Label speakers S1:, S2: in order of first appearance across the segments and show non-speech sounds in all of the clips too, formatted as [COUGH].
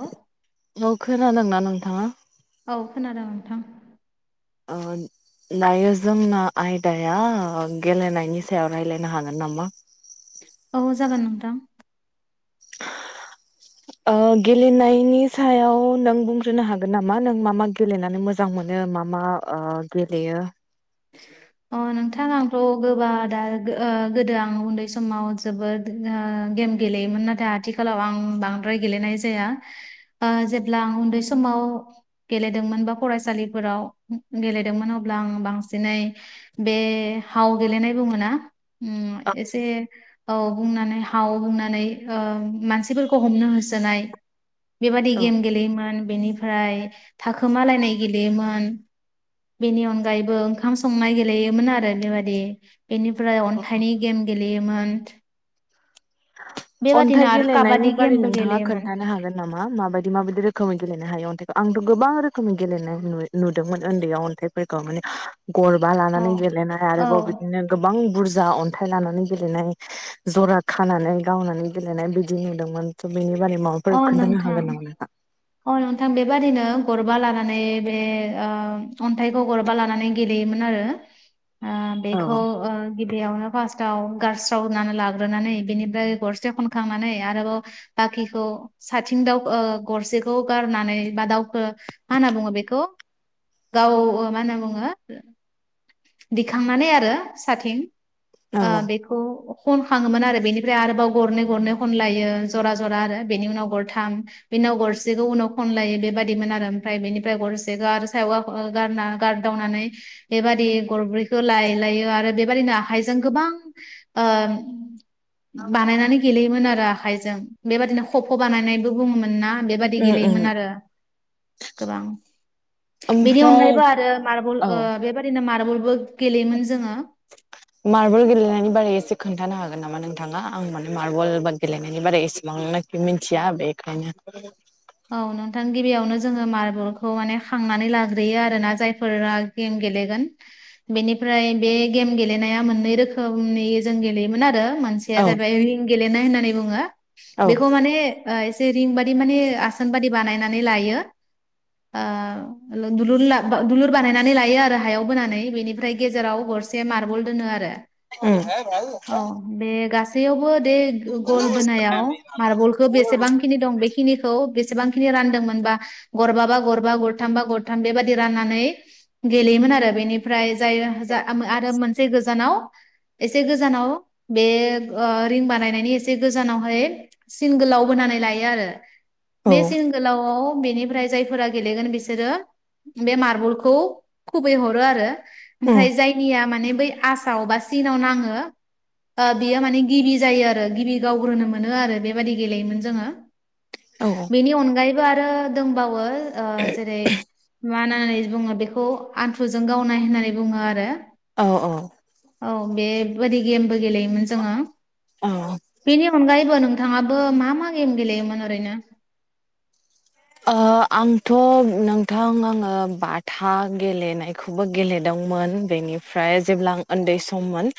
S1: औ
S2: औ खोनादोंना नोंथाङा?
S1: औ खोनादों नोंथां।
S2: ओ दायो जोंना आयदाया गेलेनायनि सायाव रायलायनो हागोन नामा?
S1: औ जागोन नोंथां
S2: [INAUDIBLE] ओ गेलेनायनि सायाव नों बुंग्रोनो हागोन नामा नों मा मा गेलेनानै मो मोजां मोनो मा मा ओ गेलेयो। [INAUDIBLE]
S1: अ नोंथां आंथ' गोबा दा ओ गोदो आं उन्दै समाव जोबोद [UNINTELLIGIBLE] गेम गेलेयोमोन नाथाय आथिखालाव आं बांद्राय गेलेनाय जाया। ओ जेब्ला आं उन्दै समाव गेलेदोंमोन बा फरायसालिफोराव गेलेदोंमोन अब्ला आं बांस दिनै बे हाव गेलेनाय बुङो ना उ एसे औ बुंनानै हा हाव बुंनानै ओ मानसिफोरखौ हमनो होसोनाय। बेबादि
S2: औ
S1: गेम गेलेयोमोन बेनिफ्राय थाखोमालायनाय गेलेयोमोन। बेनि अनगायैबो ओंखाम संनाय गेलेयोमोन आरो बेबादि बेनिफ्राय अन्थाइनि गेम गेलेयोमोन। बेबादिनो
S2: अन्थाइ
S1: आरो
S2: गेलेनायनि
S1: काबादि
S2: बारै
S1: गेमबो
S2: नोंथाङा
S1: गेलेयोमोन
S2: खोन्थानो हागोन नामा माबायदि माबायदि रोखोमै गेलेनो हायो अन्थाइखौ आंथ' गोबां रोखोमै गेलेनाय नु-नुदोंमोन उन्दैयाव अन्थाइ फोरखौ माने गरबा
S1: औ
S2: लानानै गेलेनाय
S1: औ
S2: आरोबाव बिदिनो गोबां बुरजा अन्थाइ लानानै गेलेनाय जरा खानानै गावनानै गेलेनाय बिदि नुदोंमोन त' बेनि बारै माबाफोर
S1: अ
S2: खोन्थानो
S1: नोंथां
S2: हागोन नामा? नोंथां?
S1: अ नोंथां बेबादिनो गरबा लानानै बे ओ अन्थाइखौ गरबा लानानै गेलेयोमोन आरो ओ
S2: औ
S1: बेखौ ओ गिबियावनो फार्स्टआव गारस्रावनानै लाग्रोनानै बिनिफ्राय गरसे खनखांनानै आरोबाव बाखिखौ साथिं दाव ओ गरसे खौ गारनानै बा दाउखो मा होनना बुङो बेखौ? गाव ओ मा होनना बुङो दिखांनानै आरो सथिं ओ
S2: उम
S1: बेखौ खनखाङोमोन आरो बेनिफ्राय आरोबाव गरनै गरनै खनला यो जरा जरा आरो बेनि उनाव गरथाम बेनि उनाव गर सेखौ उनाव खनलायो बेबायाददिमोन आरो ओमफ्राय बेनिफ्राय गरसे आरो सायावा गा-गारना गारदावनानै बेबादि गरब्रैखौ लाय लायो आरो बेबादिनो आखाइजों गोबां ओ बानायनानै गेलेयोमोन आरो आखाइजों बेबायादिनो खफ' बानायनायबो बुङोमोन ना बेबाय दि
S2: उम
S1: गेलेयोमोन आरो गोबां बेनि
S2: ओमफ्राय
S1: अनगायैबो आरो मार्बल
S2: औ
S1: बेबादिनो ओ मारबलबो गेलेयोमोन जोङो
S2: मार्बल गेलेनायनि बारै एसे खोन्थानो हागोन नामा नोंथाङा आं माने मार्बल बाद गेलेनायनि बारै एसेबां मिथिया बेखायनो
S1: औ नोंथां गिबियावनो जोङो मार्बलखौ माने खांनानै लाग्रोयो आरो ना जायफोरा गेम गेलेगोन बेनिफ्राय बे गेम गेलेनाया मोननै रोखोमनि जों गेलेयोमोन आरो मोनसे या
S2: औ
S1: जाहैबाय रिं गेलेनाय होननानै बुङो
S2: औ
S1: बेखौ माने ओ इसे रिं बायदि माने आसा सान बादि बानायनानै लायो। ओ दुलुर दुलुर बानायनानै लायो आरो हायाव बोनानै बेनिफ्राय गेजेराव गर से मार्बल दोनो आरो औ
S2: ओम
S1: बे गासैयावबो दे गल बोनायाव मार्बलखौ बेसेबांखिनि दं बेखि निखौ बि सेबांखिनि रानदोंमोनबा गरबाबा गरबा गरथामबा गरथाम बेबायदि राननानै गेलेयोमोन आरो बेनिफ्राय जाय जा आ आरो मोनसे गोजानाव एसे गोजानाव बे ओ रिं बानायनायनि एसे गोजानावहाय सिन गोलाव बोनानै लायो आरो
S2: औ
S1: बे सिन गोलावआव बेनिफ्राय जायफोरा गेलेगोन बिसोरो बे मार्बलखौ खुबैहरो आरो
S2: उम
S1: ओमफ्राय जाय निया माने बै आसामाव बा सिनाव नांङो ओ बियो माने गिबि जायो आरो गिबि गावग्रोनो मोनो आरो बेबादि गेलेयोमोन जोंङो।
S2: औ
S1: बेनि अनगायैबो आरो दंबावो ओ जेरै मा होननानै बुङो बेखौ आन्थुजों गावनाय होननानै बुंङो आरो
S2: औ औ
S1: औ बेबायदि गेमबो गेलेयोमोन जोंङो
S2: औ
S1: बेनि अनगायैबो नों नोंथांआबो मा मा गेम गेलेयोमोन ओरैनो?
S2: ओ आंथ' नोंथां आङो बाथा गेलेनाय खौबो गेलेदोंमोन बेनिफ्राय जेब्ला आं उन्दै सममोन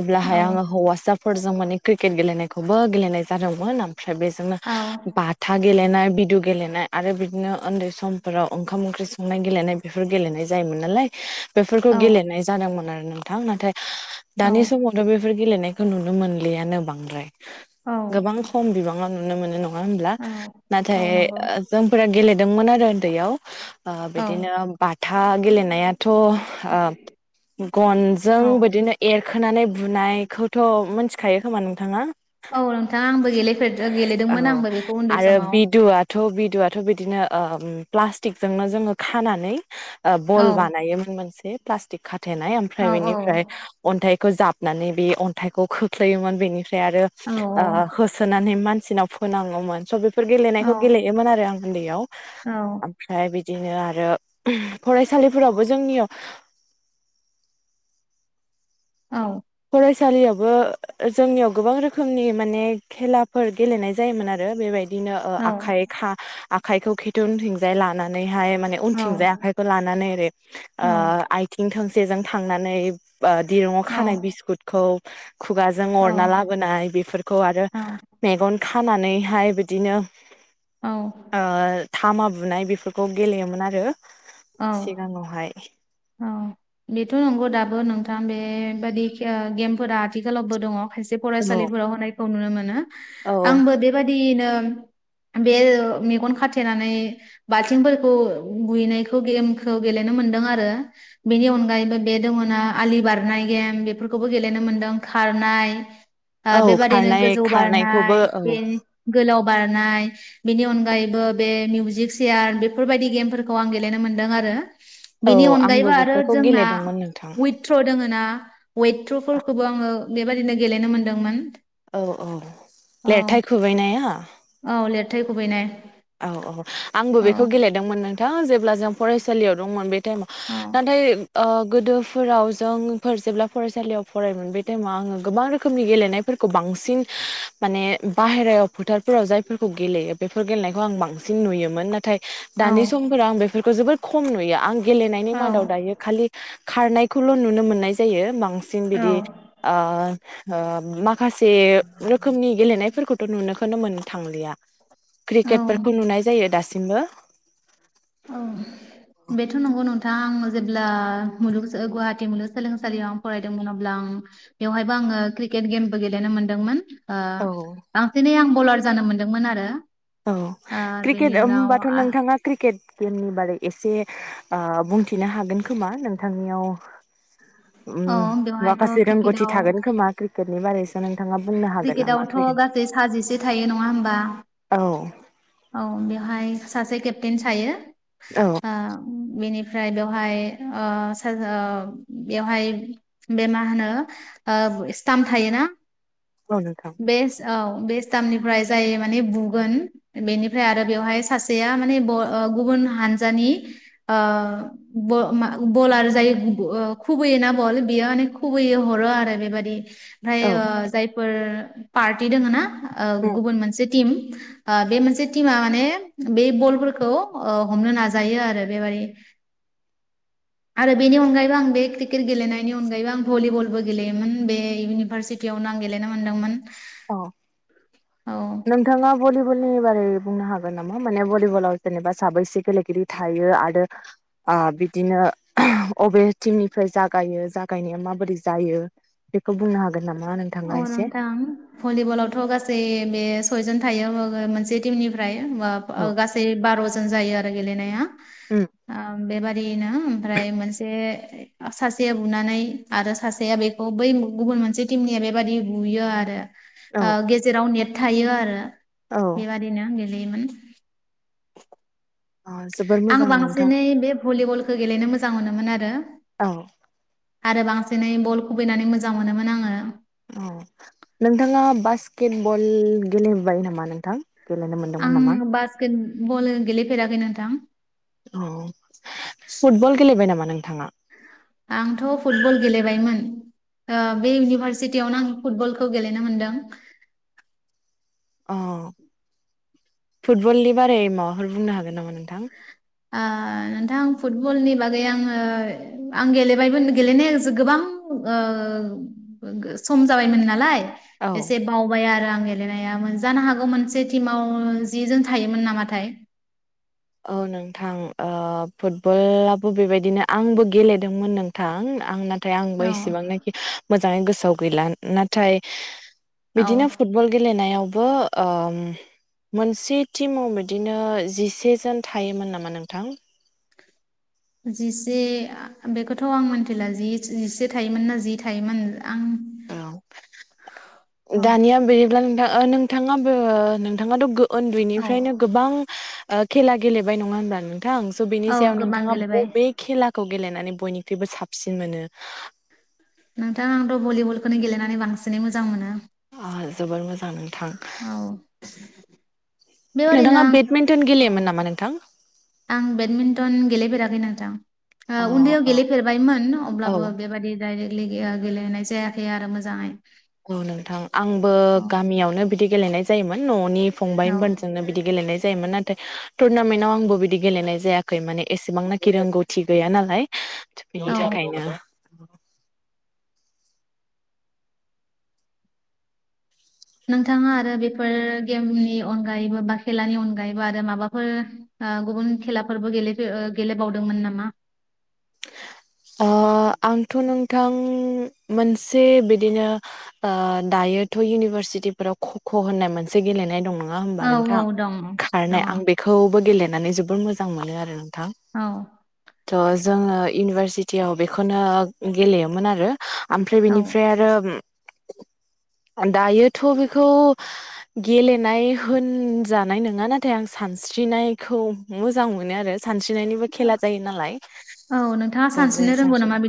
S2: अब्लाहाय
S1: औ
S2: आंङो हौवासा फोरजों माने क्रिकेट गेलेनायखौबो गेलेनाय जादोंमोन ओमफ्राय बेजोंनो
S1: औ
S2: बाथा गेलेनाय बिदु गेलेनाय आरो बिदिनो उन्दै समफोराव ओंखाम ओंख्रि संनाय गेलेनाय बेफोर गेलेनाय जायोमोन नालाय बेफोरखौ
S1: औ
S2: गेलेनाय जादोंमोन आरो नोंथां नाथाय दानि
S1: औ
S2: समाव दा बेफोर गेलेनायखौ नुनो मोनलियानो बांद्राय
S1: औ
S2: गोबां खम बिबांङाव नुनो मोनो न ङा होनब्ला
S1: औ
S2: नाथाय
S1: औ नंगौ
S2: जोंफोर गेलेदोंमोन आरो उन्दैयाव ओ
S1: औ
S2: बिदिनो बाथा गेलेनाया थ' ओ गनजों
S1: औ
S2: बिदिनो एर खोनानै बुनायखौथ' मोनथिखायो खोमा नोंथाङा
S1: औ नोंथां आंबो गेलेफेरदो गेलेदोंमोन आंबो बेखौ उन्दै समाव।
S2: थ' बिदुआथ' बिदिनो ओ प्लास्टिकजोंनो जोंङो खानानै ओ
S1: औ
S2: बल बानायोमोन मोनसे प्लास्टिक खाथेनाय
S1: औ
S2: ओमफ्राय बेनिफ्राय
S1: औ
S2: अन्थाइखौ जाबनानै बे अन्थाइखौ खोख्लैयोमोन बेनि फ्राय आरो ओ
S1: औ
S2: होसोनानै मानसिनाव फोनांङोमोन स' बेफोर गेलेनायखौ
S1: औ
S2: गेलेयोमोन आरो आं उन्दैयाव
S1: औ
S2: ओमफ्राय बिदिनो आरो फरायसालिफोरावबो जोंनियाव
S1: औ
S2: फरायसालियावबो ओ जोंनियाव गोबां रोखोमनि माने खेलाफोर गेलेनाय जायोमोन आरो बेबाय दिनो ओ
S1: औ
S2: आखाइ-खा-आखायखौ खिथु उनथिंजाय लानानैहाय माने
S1: औ
S2: उनथिंजाय आखाय खौ लानानै ओरै
S1: औ
S2: ओ आथिं थोंसेजों थांनानै ओ दिरुंङाव खानाय बिस खुदखौ खुगाजों
S1: औ
S2: अरना लाबोनाय बेफोरखौ आरो मेगन खानानैहाय बिदिनो
S1: औ
S2: ओ तामा बुनाय बेफोरखौ गेलेयोमोन आरो
S1: औ
S2: सिगांङावहाय
S1: औ बेथ' नंगौ दाबो नोंथां बेबादि खे ओ गेमफोरा आथिखालावबो दंङ। खायसे
S2: औ
S1: फरायसालिफोराव होनायखौ नुनो मोनो
S2: औ
S1: आंबो बेबादियैनो बे ओ मेगन खाथेनानै बाल्थिंफोरखौ बुयैनाय खौ गेमखौ गेलेनो मोन्दों आरो। बेनि अनगायैबो बे दंङोना आलि बारनाय गेम बेफोरखौबो गेलेनो मोनदों खारनाय ओ
S2: औ
S1: बेबादिनो
S2: खारनाय
S1: गोजौ
S2: खारनायखौबो
S1: बारनाय
S2: औ
S1: बे गोलाव बारनाय बेनि अनगायैबो बे मिउजिक चियार बेफोरबायदि गेमफोरखौ आं गे गेलेनो मोनदों आरो
S2: औ
S1: बेनि
S2: आंबो
S1: अनगायैबो आरो
S2: बेफोरखौ
S1: जोंना
S2: गेलेदोंमोन नोंथां
S1: उइत थ्र' दोङोना वेट थ्र'फोरखौबो आंङो बेबादिनो गेलेनो मोनदोंमोन।
S2: औ औ लेरथाय खुबैनाया?
S1: औ लिरथाय खुबैनाय।
S2: औ औ आंबो
S1: औ
S2: बेखौ गेलेदोंमोन नोंथां जेब्ला जों फरायसालियाव दंमोन बे
S1: औ
S2: नाथाय ओ गोदो फोराव जोंफोर जेब्ला फरायसालियाव फरायोमोन बे टाइमाव आङो गोबां रोखोमनि गेलेनायफोरखौ बांसिन माने बाहेरायाव फोथारफोराव जायफोरखौ गेलेयो। बेफोर गेलेनाय आं बांसिन नुयोमोन नाथाय
S1: औ
S2: दानि समफोराव आं बेफोरखौ जोबोर खम नुयो आं गेलेनायनि मादाव
S1: औ
S2: दायो खालि खारनायखौल नुनो मोननाय जायो। बांसिन बिदि ओ ओ माखासे रोखोमनि गेलेनायफोरखौथ' नुनोखोनो मोन थांलिया।
S1: औ
S2: क्रिकेट फोरफोरखौ नुनाय जायो दासिमबो।
S1: औ बेथ' नंगौ नोंथां आं जेब्ला मुलुग गुवाहाटी मुलुगसोलोंसालियाव आं फरायदोंमोन अब्ला आं बेवहायबो आङो क्रिकेट गेमबो गेलेनो मोनदोंमोन। ओ बांसिनै आं बलार जानो मोनदोंमोन आरो।
S2: औ
S1: ओ बेनि
S2: क्रिकेट
S1: उनाव
S2: ओमबाथ नोंथाङा क्रिकेट गेमनि बादै एसे ओ बुंथिनो हागोन खोमा नोंथांनियाव उम
S1: औ बेवहायथ'
S2: माखासे रोंगौथि
S1: क्रिकेटआव
S2: थागोन खोमा! क्रिकेटनि बारैसो नोंथाङा बुंनो हागोन नामा
S1: क्रिकेटआवथ'
S2: फैगोन
S1: गासै सा जिसे थायो नङा होमबा?
S2: औ।
S1: औ बेवहाय सासे केप्टेन थायो।
S2: औ।
S1: ओ बेनिफ्राय बेवहाय ओ सा ओ बेवहाय बे मा होनो ओ स्टाम्प थायोना?
S2: औ नोंथां।
S1: बेस औ बे स्टमनिफ्राय जाय माने बुगोन बेनिफ्राय आरो बेवहाय सासेया माने ब गुबुन हानजानि ओ ब मा बलार जायो ओ खुबैयोना बल बेयो माने खुबै हरो आरो बेबादि ओमफ्राय
S2: औ
S1: ओ जायफोर पार्टि दोङोना ओ गुबुन मोनसे टिम ओ बे मोनसे टिमा माने बे बलफोरखौ ओ हमनो नाजायो आरो बेबादि। आरो बेनि अनगायैबो आं बे क्रिकेट गेलेनायनि अनगायैबो आं भलिबलबो गेलेयोमोन बे इउनिभारसि टियावनो आं गेलेनो मोन्दोंमोन।
S2: अ नोंथाङा भलिबलनि बारै बुंनो हागोन नामा माने भलिबलाव जेनेबा साबोसे गेलेगिरि थायो आरो ओ बिदिनो अबे टिमनिफ्राय जागायो जागायनाया माबादि जायो बेखौ बुंनो हागोन नामा
S1: औ
S2: नोंथाङा एसे?
S1: नोंथां भलिबलावथ' गासै बे सयजन थायो मोनसे टिमनिफ्राय
S2: औ
S1: ओ गासै बार'जोन जायो आरो गेलेनाया
S2: उम
S1: ओ बेबादिनो ओमफ्राय मोनसे सासेया बुनानै आरो सासेया बेखौ बै गुबुन मोनसे टिमनिया बेबादि बुयो आरो।
S2: औ
S1: ओ गेजेराव नेट थायो आरो
S2: औ
S1: बेबादिनो गेलेयोमोन।
S2: अ जोबोर
S1: आं
S2: मोजां नोंथां
S1: बांसिनै बे भलिबलखौ गेलेनो मोजां मोनोमोन आरो।
S2: औ।
S1: आरो बांसिनै बल खुबैनानै मोजां मोनोमोन आङो।
S2: औ नोंथाङा बास्केट बल गेलेबाय नामा नोंथां गेलेनो मोनदोंमोन नामा?
S1: केट बल गेलेफेराखै नोंथां।
S2: अ फुटबल गेलेबाय नामा नोंथाङा?
S1: आंथ' फुटबल गेलेबायमोन। ओ बे इउनिभारसिटियावनो आं फुटबलखौ गेलेनो मोनदों।
S2: अ फुटबलनि बारे माबाफोर बुंनो हागोन नामा नोंथां?
S1: ओ नोंथां फुटबलनि बागै आंङो आं गेलेबायमोन गेलेनाया जो गोबां ओ सम जाबायमोन नालाय
S2: औ
S1: एसे बावबाय आरो आं गेलेनाया जानो हागौ मोनसे टिमाव जिजोन थायोमोन नामाथाय?
S2: औ नोंथां फुटबलाबो बेबायदिनो आंबो गेलेदोंमोन नोंथां आंना नाथाय आंबो इसेबांनाखि मोजाङै गोसोआव गैला नाथाय
S1: औ
S2: बिदिनो फुट फुटबल गेलेनायावबो ओम मोनसे टिमाव बिदिनो जिसे जोन थायोमोन नामा नोंथां?
S1: जिसे बेखौथ' आं मिन्थिला जि जिसे थायोमोन ना जि थायोमोन आं
S2: औ दानिया बिदिब्ला नोंथां नोंथांङाबो नोंथाङाथ' गो
S1: औ
S2: उन्दैनिफ्रायनो गोबां खेला गेलेबाय नङा होनबा नों थां स' बेनि
S1: औ
S2: सायाव
S1: गोबां
S2: नोंथांङा
S1: गेलेबाय
S2: बबे खेलाखौ गेलेनानै बयनिख्रुइबो साबसिन मोनो?
S1: नोंथां आंथ' भलिबलखौनो गेलेनानै बांसिनै मोजां मोनो।
S2: आ जोबोर मोजां नोंथां।
S1: औ
S2: थां
S1: बेबादिनो
S2: नोंङा
S1: आं
S2: बेडमिन्टन
S1: औ
S2: गेलेयोमोन नामा नोंथां?
S1: आं बेडमिन्टन गेलेफेराखै
S2: अ
S1: नोंथां उन्दैयाव
S2: औ
S1: गेलेफेरबायमोन
S2: औ
S1: अब्लाबो बेबादि दायरेक्टलि गेलेनाय जायाखै आरो मोजांङै।
S2: औ नोंथां आंबो गामियावनो बिदि गेलेनाय जायोमोन न'नि
S1: औ
S2: फंबायमोनजोंनो बिदि गेलेनाय जायोमोन ना नाथाय टुरनामेन्टाव आंबो बिदि गेलेनाय जायाखै माने एसेबांनाखि रोंगौथि गैया नालाय। बिनि
S1: औ
S2: थाखायनो।
S1: नोंथांङा आरो बेफोर गेमनि अनगायैबो बा खेलानि अनगायैबो आरो माबाफोर गुबुन खेलाफोरबो गेले गेलेबावदोंमोन नामा?
S2: ओ आंथ' नोंथां मोनसे बिदिनो दायोथ' इउनिभारसिटिफोराव ख ख' होननाय मोनसे गेलेनाय दंङ नोंथां। नङा होमबा
S1: औ औ
S2: नोंथां
S1: दं दङ
S2: खारनाय आं बेखौबो गेलेनानै जोबोर मोजां मोनो आरो नोंथां।
S1: औ।
S2: थ' जोंङो इउनिभारसिटियाव बेखौनो गेलेयोमोन आरो। ओमफ्राय
S1: औ
S2: बेनिफ्राय आरो दायोथ' बेखौ गेलेनाय होनजानाय नङा नाथाय आं सानस्रिनायखौ मोजां मोनो आरो। सानस्रिनायनिबो खेला जायो नालाय।
S1: औ नों
S2: थ बेहाय सानस्रिनो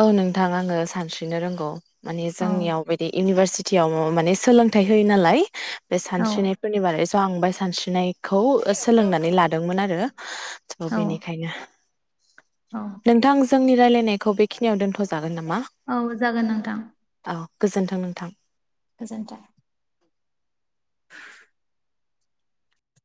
S2: औ नोंथां आंङो सानस्रिनो रोंगौ। माने
S1: औ
S2: जोंनियाव बिदि इउनिभारसिटियाव माने सोलोंथाइ होयो नालाय बे
S1: औ
S2: सानस्रिनाय बारै स' आं बेहाय सानस्रिनायखौ सोलोंनानै लादोंमोन आरो। थ'
S1: औ
S2: बेनिखायनो।
S1: औ।
S2: नोंथां जोंनि राय्लायनायखौ बेखिनियाव दोन्थ'जागोन नामा?
S1: औ जागोन नोंथां।
S2: औ गोजोन्थों नोंथां।
S1: गोजोन्थों। [INAUDIBLE]